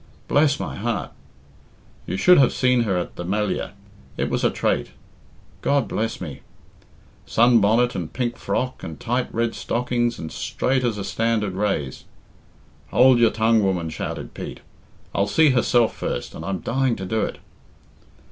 "Bless my heart!" "You should have seen her at the Melliah; it was a trate." "God bless me!" "Sun bonnet and pink frock and tight red stockings, and straight as a standard rase." "Hould your tongue, woman," shouted Pete. "I'll see herself first, and I'm dying to do it."